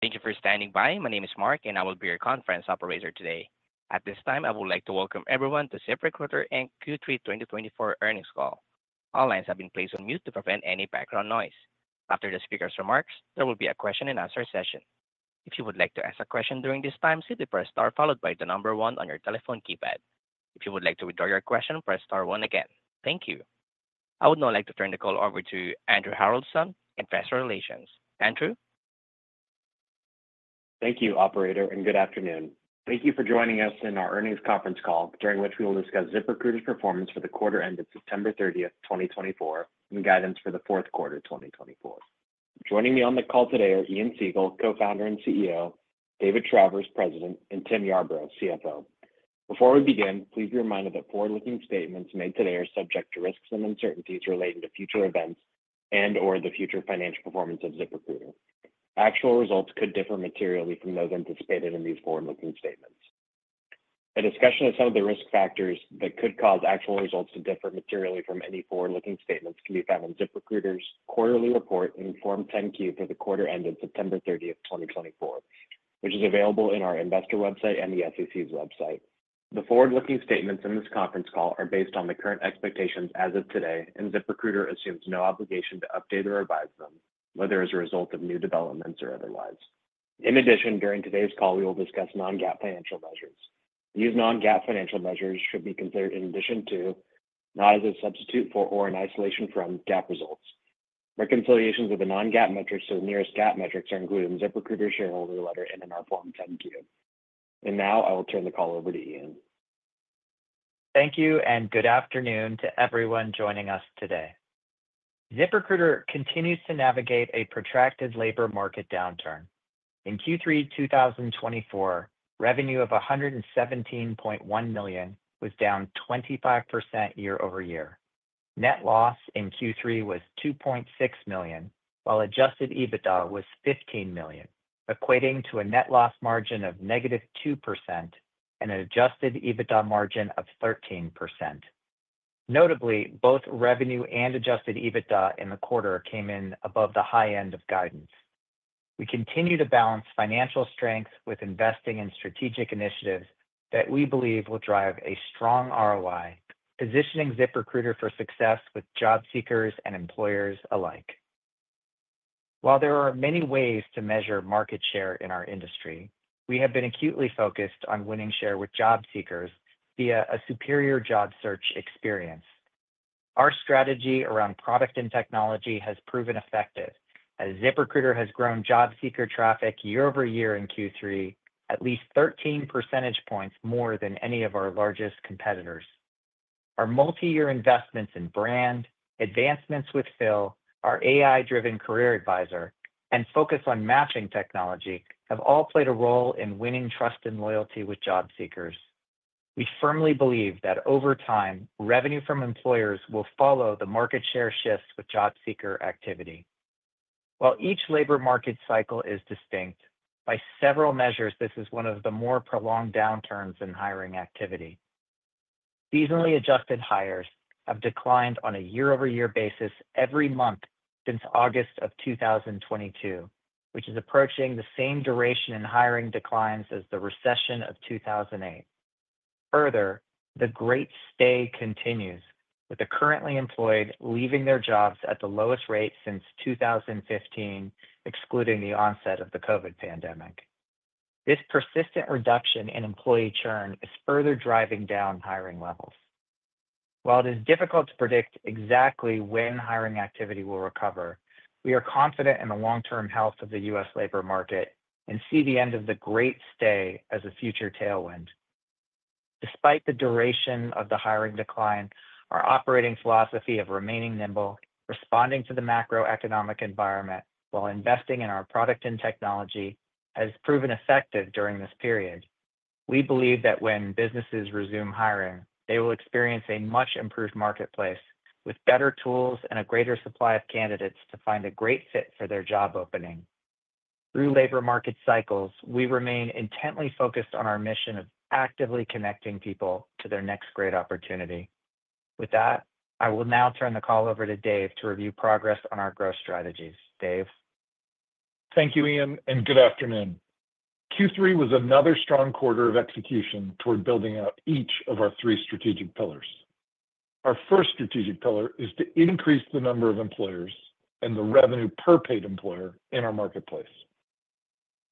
Thank you for standing by. My name is Mark, and I will be your conference operator today. At this time, I would like to welcome everyone to ZipRecruiter's Q3 2024 earnings call. All lines have been placed on mute to prevent any background noise. After the speaker's remarks, there will be a question-and-answer session. If you would like to ask a question during this time, simply press Star followed by the number one on your telephone keypad. If you would like to withdraw your question, press Star one again. Thank you. I would now like to turn the call over to Andrew Haroldson, Investor Relations. Andrew? Thank you, Operator, and good afternoon. Thank you for joining us in our earnings conference call, during which we will discuss ZipRecruiter's performance for the quarter ended September 30, 2024, and guidance for the fourth quarter 2024. Joining me on the call today are Ian Siegel, Co-founder and CEO, David Travers, President, and Tim Yarbrough, CFO. Before we begin, please be reminded that forward-looking statements made today are subject to risks and uncertainties relating to future events and/or the future financial performance of ZipRecruiter. Actual results could differ materially from those anticipated in these forward-looking statements. A discussion of some of the risk factors that could cause actual results to differ materially from any forward-looking statements can be found in ZipRecruiter's quarterly report, Form 10-Q, for the quarter ended September 30, 2024, which is available on our investor website and the SEC's website. The forward-looking statements in this conference call are based on the current expectations as of today, and ZipRecruiter assumes no obligation to update or revise them, whether as a result of new developments or otherwise. In addition, during today's call, we will discuss Non-GAAP financial measures. These Non-GAAP financial measures should be considered in addition to, not as a substitute for or in isolation from, GAAP results. Reconciliations of the Non-GAAP metrics to the nearest GAAP metrics are included in ZipRecruiter's shareholder letter and in our Form 10-Q. And now, I will turn the call over to Ian. Thank you, and good afternoon to everyone joining us today. ZipRecruiter continues to navigate a protracted labor market downturn. In Q3 2024, revenue of $117.1 million was down 25% year over year. Net loss in Q3 was $2.6 million, while Adjusted EBITDA was $15 million, equating to a net loss margin of -2% and an Adjusted EBITDA margin of 13%. Notably, both revenue and Adjusted EBITDA in the quarter came in above the high end of guidance. We continue to balance financial strength with investing in strategic initiatives that we believe will drive a strong ROI, positioning ZipRecruiter for success with job seekers and employers alike. While there are many ways to measure market share in our industry, we have been acutely focused on winning share with job seekers via a superior job search experience. Our strategy around product and technology has proven effective, as ZipRecruiter has grown job seeker traffic year over year in Q3 at least 13 percentage points more than any of our largest competitors. Our multi-year investments in brand, advancements with Phil, our AI-driven career advisor, and focus on matching technology have all played a role in winning trust and loyalty with job seekers. We firmly believe that over time, revenue from employers will follow the market share shifts with job seeker activity. While each labor market cycle is distinct, by several measures, this is one of the more prolonged downturns in hiring activity. Seasonally adjusted hires have declined on a year-over-year basis every month since August of 2022, which is approaching the same duration in hiring declines as the recession of 2008. Further, the Great Stay continues, with the currently employed leaving their jobs at the lowest rate since 2015, excluding the onset of the COVID pandemic. This persistent reduction in employee churn is further driving down hiring levels. While it is difficult to predict exactly when hiring activity will recover, we are confident in the long-term health of the U.S. labor market and see the end of the Great Stay as a future tailwind. Despite the duration of the hiring decline, our operating philosophy of remaining nimble, responding to the macroeconomic environment, while investing in our product and technology has proven effective during this period. We believe that when businesses resume hiring, they will experience a much-improved marketplace with better tools and a greater supply of candidates to find a great fit for their job opening. Through labor market cycles, we remain intently focused on our mission of actively connecting people to their next great opportunity. With that, I will now turn the call over to Dave to review progress on our growth strategies. Dave? Thank you, Ian, and good afternoon. Q3 was another strong quarter of execution toward building out each of our three strategic pillars. Our first strategic pillar is to increase the number of employers and the revenue per paid employer in our marketplace.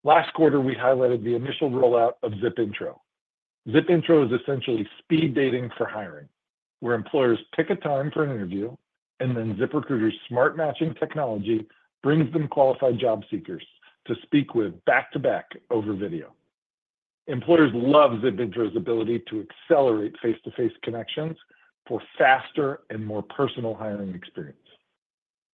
Last quarter, we highlighted the initial rollout of ZipIntro. ZipIntro is essentially speed dating for hiring, where employers pick a time for an interview, and then ZipRecruiter's smart matching technology brings them qualified job seekers to speak with back-to-back over video. Employers love ZipIntro's ability to accelerate face-to-face connections for faster and more personal hiring experience.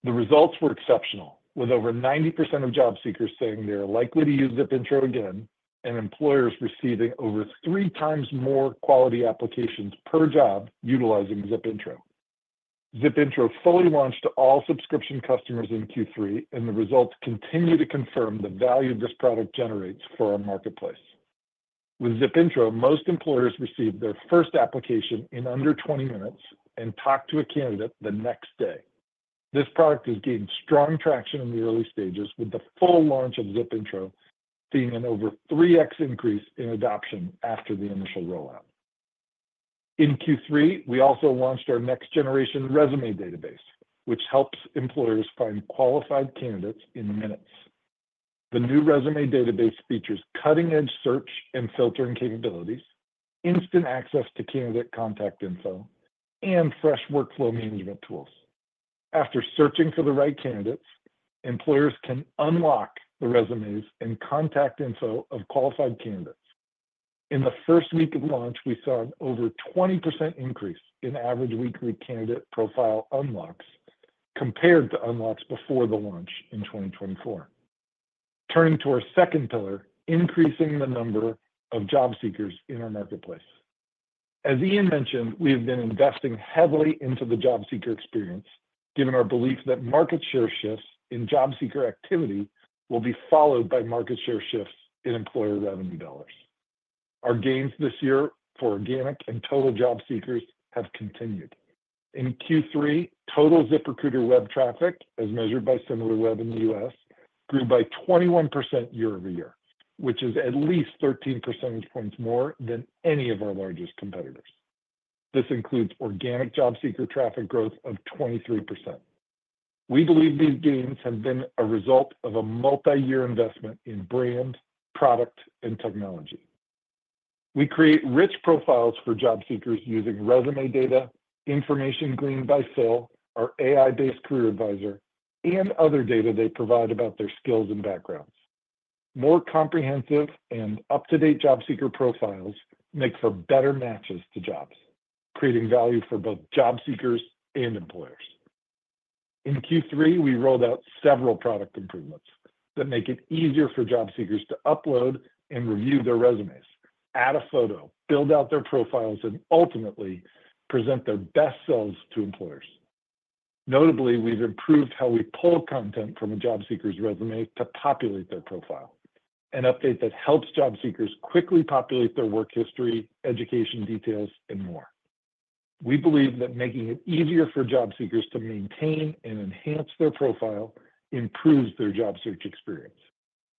The results were exceptional, with over 90% of job seekers saying they are likely to use ZipIntro again and employers receiving over three times more quality applications per job utilizing ZipIntro. ZipIntro fully launched to all subscription customers in Q3, and the results continue to confirm the value this product generates for our marketplace. With ZipIntro, most employers received their first application in under 20 minutes and talked to a candidate the next day. This product has gained strong traction in the early stages, with the full launch of ZipIntro seeing an over 3X increase in adoption after the initial rollout. In Q3, we also launched our next-generation resume database, which helps employers find qualified candidates in minutes. The new resume database features cutting-edge search and filtering capabilities, instant access to candidate contact info, and fresh workflow management tools. After searching for the right candidates, employers can unlock the resumes and contact info of qualified candidates. In the first week of launch, we saw an over 20% increase in average weekly candidate profile unlocks compared to unlocks before the launch in 2024. Turning to our second pillar, increasing the number of job seekers in our marketplace. As Ian mentioned, we have been investing heavily into the job seeker experience, given our belief that market share shifts in job seeker activity will be followed by market share shifts in employer revenue dollars. Our gains this year for organic and total job seekers have continued. In Q3, total ZipRecruiter web traffic, as measured by Similarweb in the U.S., grew by 21% year over year, which is at least 13 percentage points more than any of our largest competitors. This includes organic job seeker traffic growth of 23%. We believe these gains have been a result of a multi-year investment in brand, product, and technology. We create rich profiles for job seekers using resume data, information gleaned by Phil, our AI-based career advisor, and other data they provide about their skills and backgrounds. More comprehensive and up-to-date job seeker profiles make for better matches to jobs, creating value for both job seekers and employers. In Q3, we rolled out several product improvements that make it easier for job seekers to upload and review their resumes, add a photo, build out their profiles, and ultimately present their best selves to employers. Notably, we've improved how we pull content from a job seeker's resume to populate their profile, an update that helps job seekers quickly populate their work history, education details, and more. We believe that making it easier for job seekers to maintain and enhance their profile improves their job search experience.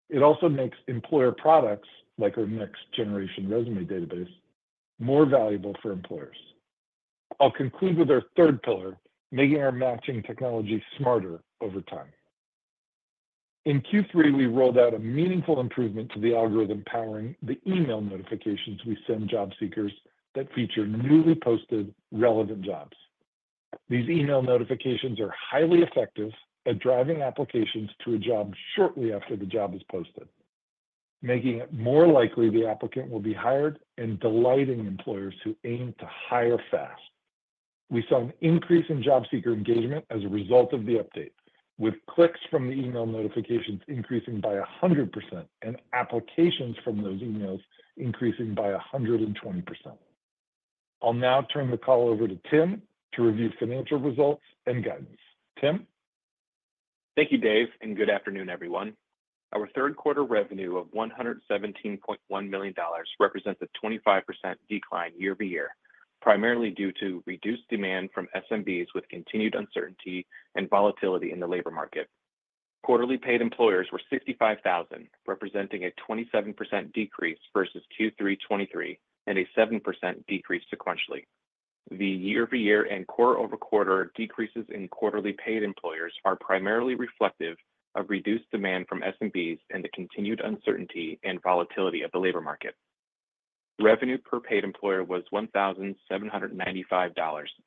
It also makes employer products, like our next-generation resume database, more valuable for employers. I'll conclude with our third pillar, making our matching technology smarter over time. In Q3, we rolled out a meaningful improvement to the algorithm powering the email notifications we send job seekers that feature newly posted relevant jobs. These email notifications are highly effective at driving applications to a job shortly after the job is posted, making it more likely the applicant will be hired and delighting employers who aim to hire fast. We saw an increase in job seeker engagement as a result of the update, with clicks from the email notifications increasing by 100% and applications from those emails increasing by 120%. I'll now turn the call over to Tim to review financial results and guidance. Tim? Thank you, Dave, and good afternoon, everyone. Our third quarter revenue of $117.1 million represents a 25% decline year-over-year, primarily due to reduced demand from SMBs with continued uncertainty and volatility in the labor market. Quarterly paid employers were 65,000, representing a 27% decrease versus Q3 2023 and a 7% decrease sequentially. The year-over-year and quarter-over-quarter decreases in quarterly paid employers are primarily reflective of reduced demand from SMBs and the continued uncertainty and volatility of the labor market. Revenue per paid employer was $1,795,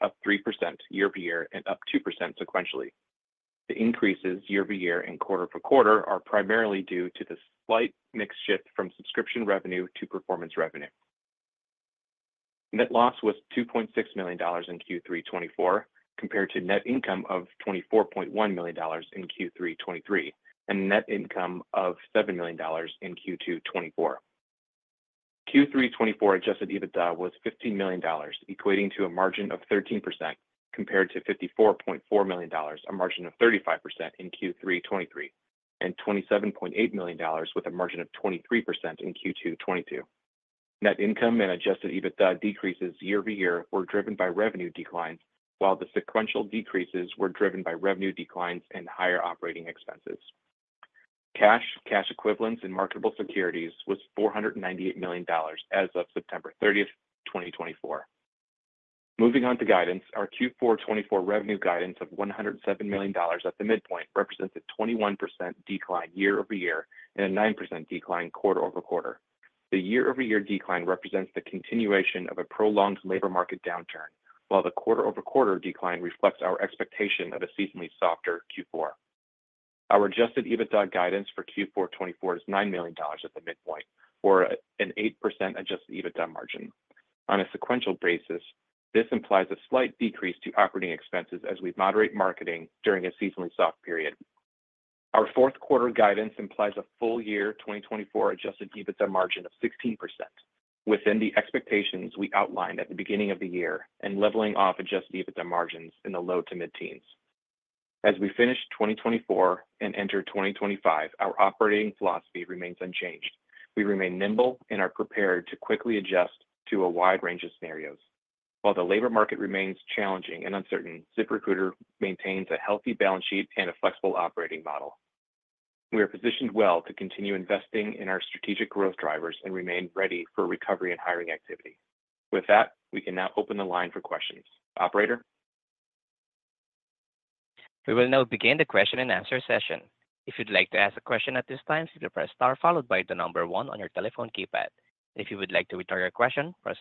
up 3% year-over-year and up 2% sequentially. The increases year-over-year and quarter-over-quarter are primarily due to the slight mixed shift from subscription revenue to performance revenue. Net loss was $2.6 million in Q3 2024, compared to net income of $24.1 million in Q3 2023 and net income of $7 million in Q2 2024. Q3 2024 adjusted EBITDA was $15 million, equating to a margin of 13%, compared to $54.4 million, a margin of 35% in Q3 2023, and $27.8 million with a margin of 23% in Q2 2024. Net income and adjusted EBITDA decreases year-over-year were driven by revenue declines, while the sequential decreases were driven by revenue declines and higher operating expenses. Cash, cash equivalents, and marketable securities was $498 million as of September 30, 2024. Moving on to guidance, our Q4 2024 revenue guidance of $107 million at the midpoint represents a 21% decline year-over-year and a 9% decline quarter-over-quarter. The year-over-year decline represents the continuation of a prolonged labor market downturn, while the quarter-over-quarter decline reflects our expectation of a seasonally softer Q4. Our adjusted EBITDA guidance for Q4 2024 is $9 million at the midpoint, or an 8% adjusted EBITDA margin. On a sequential basis, this implies a slight decrease to operating expenses as we moderate marketing during a seasonally soft period. Our fourth quarter guidance implies a full year 2024 Adjusted EBITDA margin of 16%, within the expectations we outlined at the beginning of the year and leveling off Adjusted EBITDA margins in the low to mid-teens. As we finish 2024 and enter 2025, our operating philosophy remains unchanged. We remain nimble and are prepared to quickly adjust to a wide range of scenarios. While the labor market remains challenging and uncertain, ZipRecruiter maintains a healthy balance sheet and a flexible operating model. We are positioned well to continue investing in our strategic growth drivers and remain ready for recovery and hiring activity. With that, we can now open the line for questions. Operator? We will now begin the question and answer session. If you'd like to ask a question at this time, please press Star followed by the number one on your telephone keypad. If you would like to return your question, press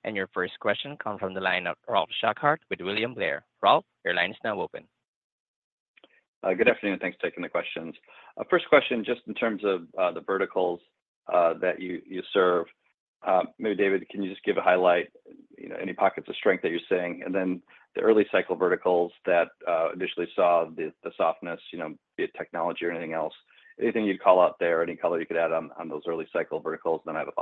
Star one again, and your first question comes from the line of Ralph Schackart with William Blair. Ralph, your line is now open. Good afternoon, thanks for taking the questions. First question, just in terms of the verticals that you serve, maybe, David, can you just give a highlight, any pockets of strength that you're seeing, and then the early cycle verticals that initially saw the softness, be it technology or anything else. Anything you'd call out there, any color you could add on those early cycle verticals, and then I have a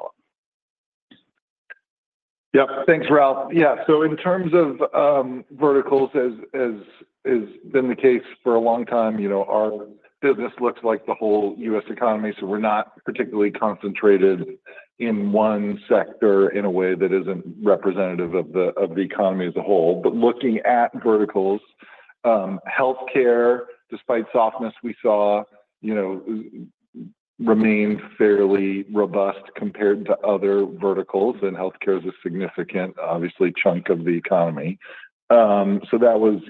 follow-up. Yep, thanks, Ralph. Yeah, so in terms of verticals, as has been the case for a long time, our business looks like the whole U.S. economy, so we're not particularly concentrated in one sector in a way that isn't representative of the economy as a whole. But looking at verticals, healthcare, despite softness we saw, remained fairly robust compared to other verticals, and healthcare is a significant, obviously, chunk of the economy. So that was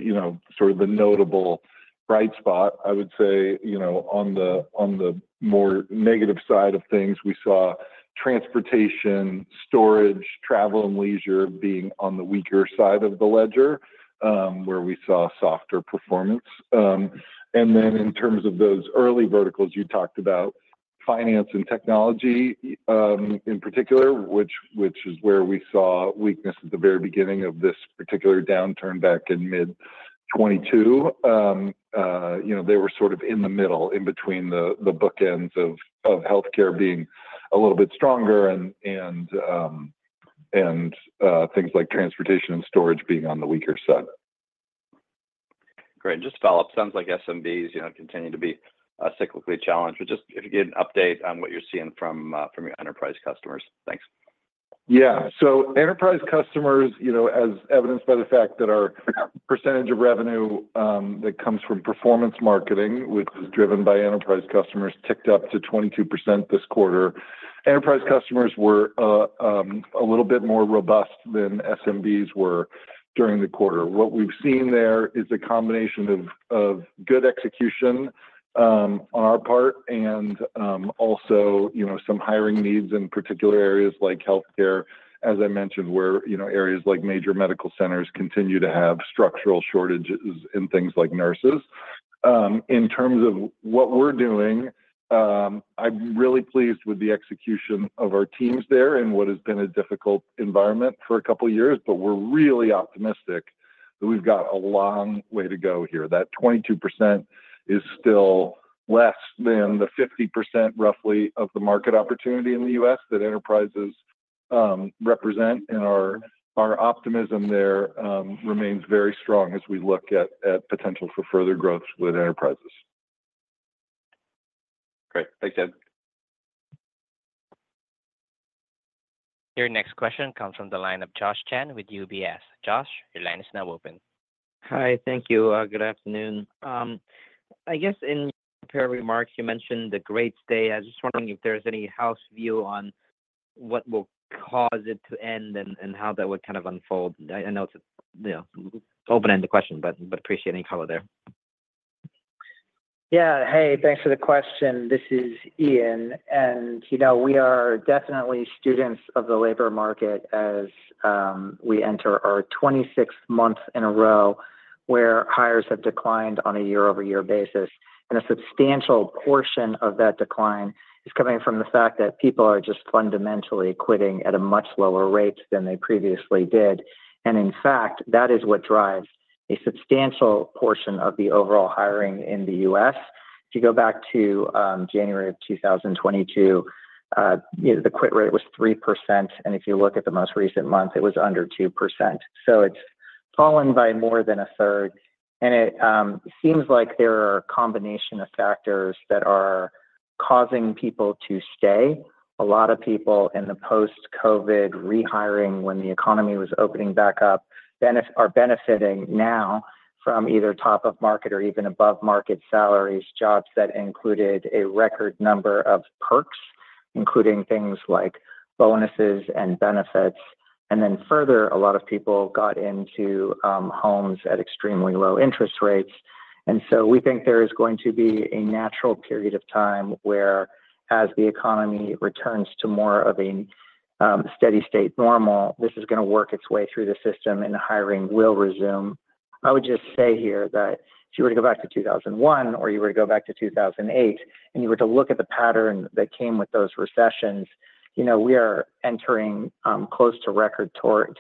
sort of the notable bright spot. I would say on the more negative side of things, we saw transportation, storage, travel, and leisure being on the weaker side of the ledger, where we saw softer performance. And then in terms of those early verticals you talked about, finance and technology in particular, which is where we saw weakness at the very beginning of this particular downturn back in mid-2022, they were sort of in the middle, in between the bookends of healthcare being a little bit stronger and things like transportation and storage being on the weaker side. Great. And just to follow up, it sounds like SMBs continue to be cyclically challenged. But just if you could get an update on what you're seeing from your enterprise customers. Thanks. Yeah, so enterprise customers, as evidenced by the fact that our percentage of revenue that comes from performance marketing, which is driven by enterprise customers, ticked up to 22% this quarter. Enterprise customers were a little bit more robust than SMBs were during the quarter. What we've seen there is a combination of good execution on our part and also some hiring needs in particular areas like healthcare, as I mentioned, where areas like major medical centers continue to have structural shortages in things like nurses. In terms of what we're doing, I'm really pleased with the execution of our teams there and what has been a difficult environment for a couple of years, but we're really optimistic that we've got a long way to go here. That 22% is still less than the 50%, roughly, of the market opportunity in the U.S. that enterprises represent, and our optimism there remains very strong as we look at potential for further growth with enterprises. Great. Thanks, David. Your next question comes from the line of Josh Chan with UBS. Josh, your line is now open. Hi, thank you. Good afternoon. I guess in your remarks, you mentioned the Great Stay. I was just wondering if there's any house view on what will cause it to end and how that would kind of unfold. I know it's an open-ended question, but appreciate any color there. Yeah, hey, thanks for the question. This is Ian, and we are definitely students of the labor market as we enter our 26th month in a row where hires have declined on a year-over-year basis. And a substantial portion of that decline is coming from the fact that people are just fundamentally quitting at a much lower rate than they previously did. And in fact, that is what drives a substantial portion of the overall hiring in the U.S. If you go back to January of 2022, the quit rate was 3%, and if you look at the most recent month, it was under 2%. So it's fallen by more than a third, and it seems like there are a combination of factors that are causing people to stay. A lot of people in the post-COVID rehiring when the economy was opening back up are benefiting now from either top-of-market or even above-market salaries, jobs that included a record number of perks, including things like bonuses and benefits, and then further, a lot of people got into homes at extremely low interest rates, and so we think there is going to be a natural period of time where, as the economy returns to more of a steady-state normal, this is going to work its way through the system and hiring will resume. I would just say here that if you were to go back to 2001 or you were to go back to 2008 and you were to look at the pattern that came with those recessions, we are entering close to record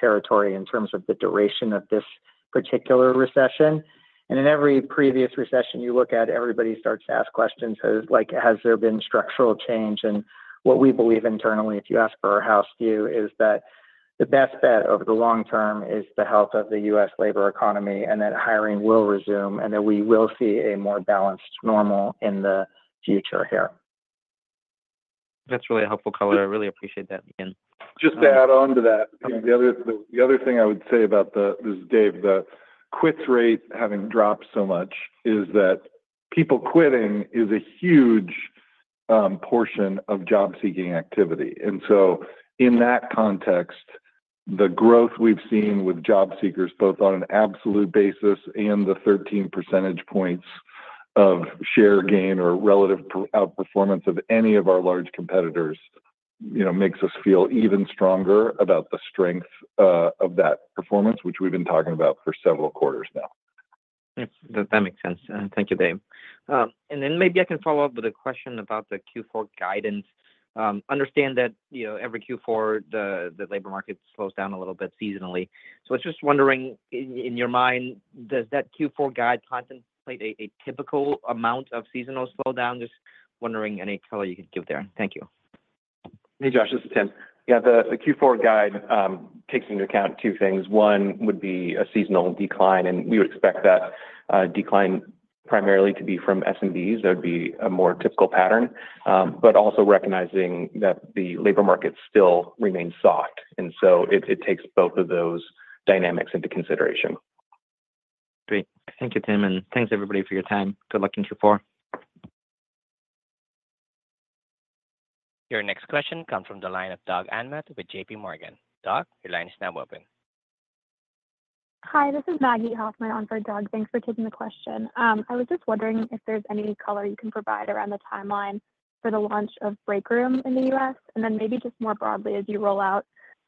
territory in terms of the duration of this particular recession. In every previous recession you look at, everybody starts to ask questions like, "Has there been structural change?" And what we believe internally, if you ask for our house view, is that the best bet over the long term is the health of the U.S. labor economy and that hiring will resume and that we will see a more balanced normal in the future here. That's really a helpful color. I really appreciate that, Ian. Just to add on to that, the other thing I would say about this, Dave, the quits rate having dropped so much is that people quitting is a huge portion of job-seeking activity, and so in that context, the growth we've seen with job seekers, both on an absolute basis and the 13 percentage points of share gain or relative outperformance of any of our large competitors makes us feel even stronger about the strength of that performance, which we've been talking about for several quarters now. That makes sense. Thank you, Dave. And then maybe I can follow up with a question about the Q4 guidance. I understand that every Q4 the labor market slows down a little bit seasonally. So I was just wondering, in your mind, does that Q4 guide contemplate a typical amount of seasonal slowdown? Just wondering any color you could give there. Thank you. Hey, Josh, this is Tim. Yeah, the Q4 guide takes into account two things. One would be a seasonal decline, and we would expect that decline primarily to be from SMBs. That would be a more typical pattern, but also recognizing that the labor market still remains soft, and so it takes both of those dynamics into consideration. Great. Thank you, Tim, and thanks, everybody, for your time. Good luck in Q4. Your next question comes from the line of Doug Anmuth with J.P. Morgan. Doug, your line is now open. Hi, this is Maggie Hoffman on for Doug. Thanks for taking the question. I was just wondering if there's any color you can provide around the timeline for the launch of Breakroom in the U.S., and then maybe just more broadly as you roll out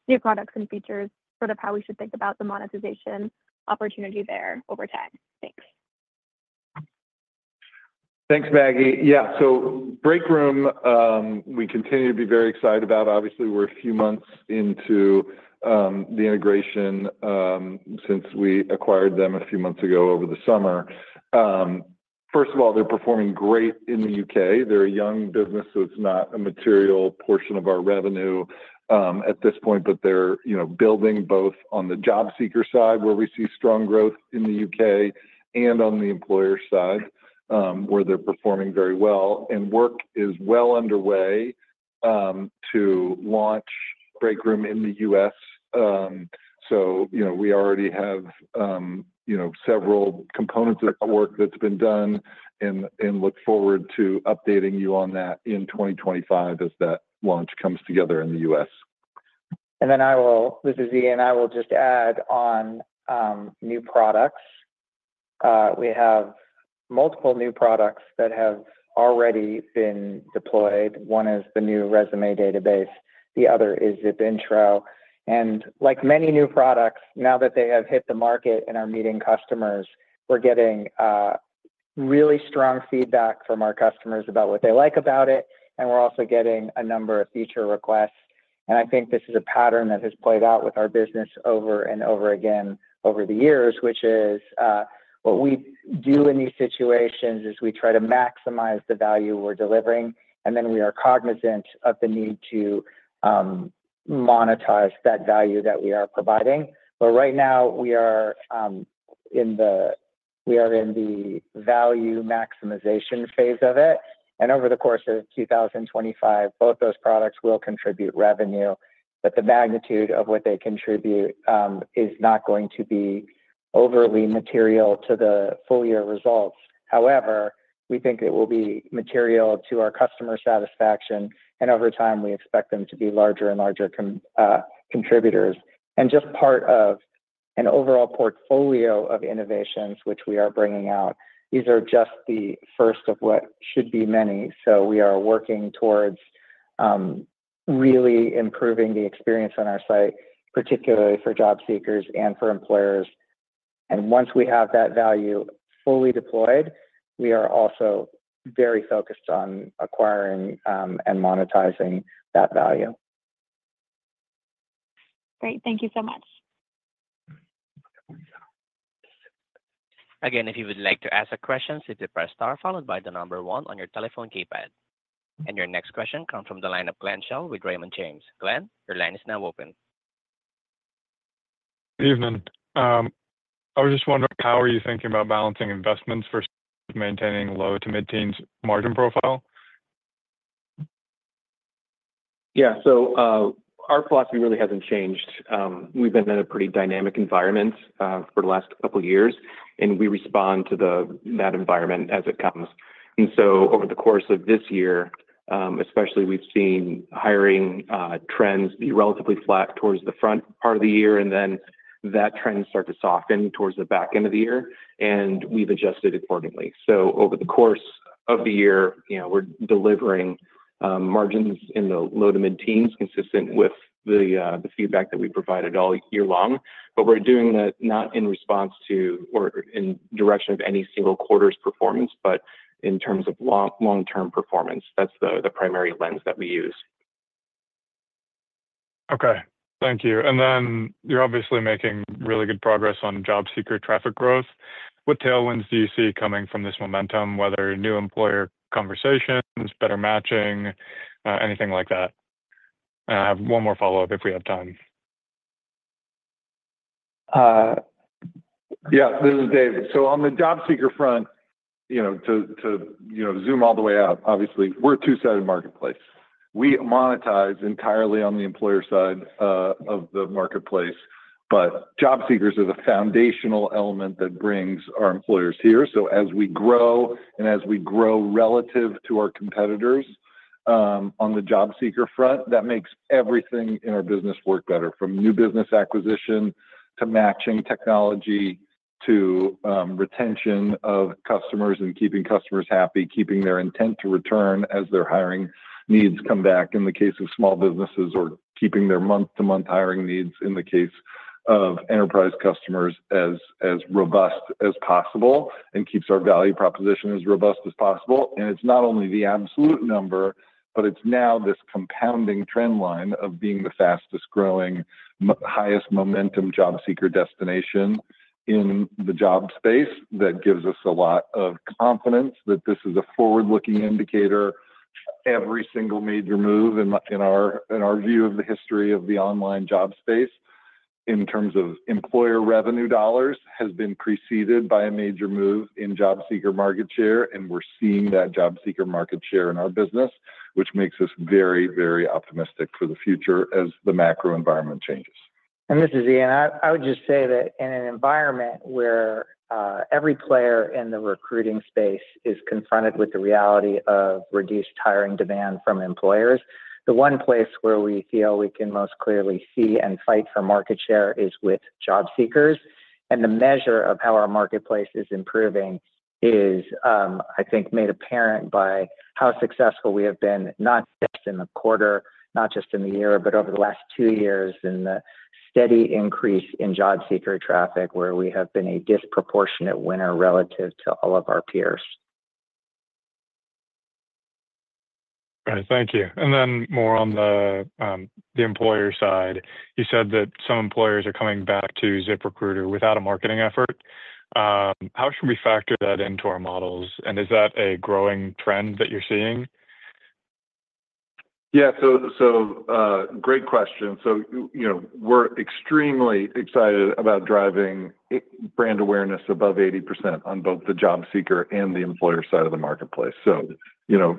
new products and features, sort of how we should think about the monetization opportunity there over time. Thanks. Thanks, Maggie. Yeah, so Breakroom, we continue to be very excited about. Obviously, we're a few months into the integration since we acquired them a few months ago over the summer. First of all, they're performing great in the U.K. They're a young business, so it's not a material portion of our revenue at this point, but they're building both on the job seeker side where we see strong growth in the U.K. and on the employer side where they're performing very well, and work is well underway to launch Breakroom in the U.S., so we already have several components of work that's been done, and look forward to updating you on that in 2025 as that launch comes together in the U.S. And then I will. This is Ian. I will just add on new products. We have multiple new products that have already been deployed. One is the new resume database. The other is ZipIntro. And like many new products, now that they have hit the market and are meeting customers, we're getting really strong feedback from our customers about what they like about it, and we're also getting a number of feature requests. And I think this is a pattern that has played out with our business over and over again over the years, which is what we do in these situations is we try to maximize the value we're delivering, and then we are cognizant of the need to monetize that value that we are providing. But right now, we are in the value maximization phase of it. And over the course of 2025, both those products will contribute revenue, but the magnitude of what they contribute is not going to be overly material to the full year results. However, we think it will be material to our customer satisfaction, and over time, we expect them to be larger and larger contributors. And just part of an overall portfolio of innovations, which we are bringing out, these are just the first of what should be many. So we are working towards really improving the experience on our site, particularly for job seekers and for employers. And once we have that value fully deployed, we are also very focused on acquiring and monetizing that value. Great. Thank you so much. Again, if you would like to ask a question, please press Star followed by the number one on your telephone keypad. And your next question comes from the line of Glenn Schell with Raymond James. Glenn, your line is now open. Good evening. I was just wondering, how are you thinking about balancing investments versus maintaining low to mid-teens margin profile? Yeah, so our philosophy really hasn't changed. We've been in a pretty dynamic environment for the last couple of years, and we respond to that environment as it comes. And so over the course of this year, especially, we've seen hiring trends be relatively flat towards the front part of the year, and then that trend starts to soften towards the back end of the year, and we've adjusted accordingly. So over the course of the year, we're delivering margins in the low to mid-teens consistent with the feedback that we provided all year long. But we're doing that not in response to or in direction of any single quarter's performance, but in terms of long-term performance. That's the primary lens that we use. Okay. Thank you. And then you're obviously making really good progress on job seeker traffic growth. What tailwinds do you see coming from this momentum, whether new employer conversations, better matching, anything like that? And I have one more follow-up if we have time. Yeah, this is Dave. So on the job seeker front, to zoom all the way out, obviously, we're a two-sided marketplace. We monetize entirely on the employer side of the marketplace, but job seekers are the foundational element that brings our employers here. So as we grow and as we grow relative to our competitors on the job seeker front, that makes everything in our business work better, from new business acquisition to matching technology to retention of customers and keeping customers happy, keeping their intent to return as their hiring needs come back in the case of small businesses or keeping their month-to-month hiring needs in the case of enterprise customers as robust as possible and keeps our value proposition as robust as possible. And it's not only the absolute number, but it's now this compounding trend line of being the fastest growing, highest momentum job seeker destination in the job space that gives us a lot of confidence that this is a forward-looking indicator. Every single major move in our view of the history of the online job space in terms of employer revenue dollars has been preceded by a major move in job seeker market share, and we're seeing that job seeker market share in our business, which makes us very, very optimistic for the future as the macro environment changes. And this is Ian. I would just say that in an environment where every player in the recruiting space is confronted with the reality of reduced hiring demand from employers, the one place where we feel we can most clearly see and fight for market share is with job seekers. And the measure of how our marketplace is improving is, I think, made apparent by how successful we have been not just in the quarter, not just in the year, but over the last two years in the steady increase in job seeker traffic where we have been a disproportionate winner relative to all of our peers. All right, thank you. And then more on the employer side. You said that some employers are coming back to ZipRecruiter without a marketing effort. How should we factor that into our models? And is that a growing trend that you're seeing? Yeah, so great question. So we're extremely excited about driving brand awareness above 80% on both the job seeker and the employer side of the marketplace. So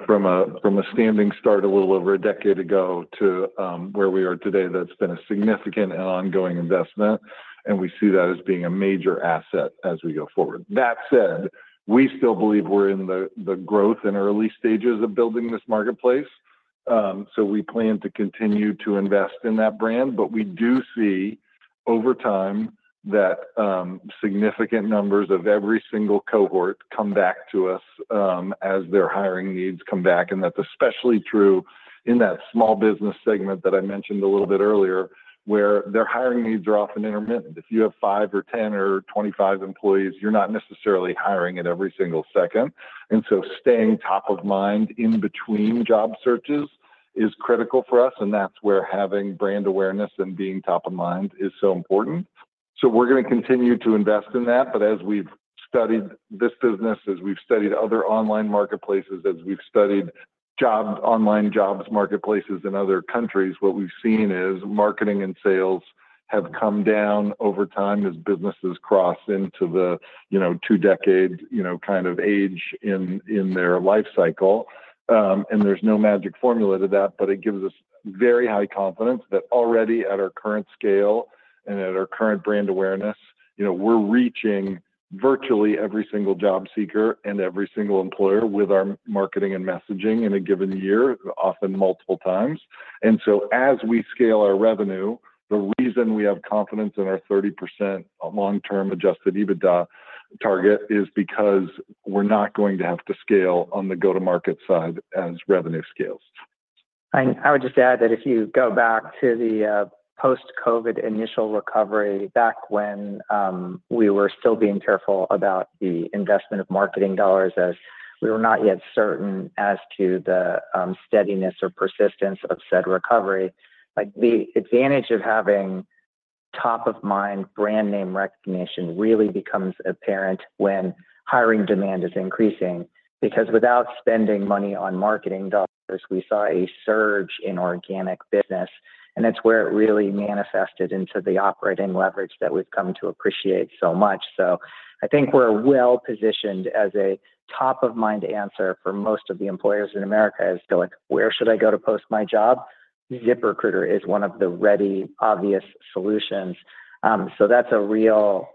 from a standing start a little over a decade ago to where we are today, that's been a significant and ongoing investment, and we see that as being a major asset as we go forward. That said, we still believe we're in the growth and early stages of building this marketplace. So we plan to continue to invest in that brand, but we do see over time that significant numbers of every single cohort come back to us as their hiring needs come back, and that's especially true in that small business segment that I mentioned a little bit earlier where their hiring needs are often intermittent. If you have five or 10 or 25 employees, you're not necessarily hiring at every single second, and so staying top of mind in between job searches is critical for us, and that's where having brand awareness and being top of mind is so important, so we're going to continue to invest in that, but as we've studied this business, as we've studied other online marketplaces, as we've studied online jobs marketplaces in other countries, what we've seen is marketing and sales have come down over time as businesses cross into the two-decade kind of age in their life cycle. And there's no magic formula to that, but it gives us very high confidence that already at our current scale and at our current brand awareness, we're reaching virtually every single job seeker and every single employer with our marketing and messaging in a given year, often multiple times. As we scale our revenue, the reason we have confidence in our 30% long-term Adjusted EBITDA target is because we're not going to have to scale on the go-to-market side as revenue scales. I would just add that if you go back to the post-COVID initial recovery back when we were still being careful about the investment of marketing dollars as we were not yet certain as to the steadiness or persistence of said recovery, the advantage of having top-of-mind brand name recognition really becomes apparent when hiring demand is increasing because without spending money on marketing dollars, we saw a surge in organic business, and that's where it really manifested into the operating leverage that we've come to appreciate so much. So I think we're well-positioned as a top-of-mind answer for most of the employers in America as to like, "Where should I go to post my job?" ZipRecruiter is one of the readily obvious solutions. So that's a real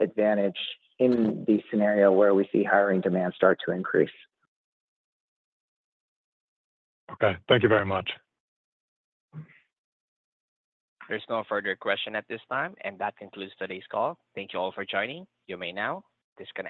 advantage in the scenario where we see hiring demand start to increase. Okay. Thank you very much. There's no further question at this time, and that concludes today's call. Thank you all for joining. You may now disconnect.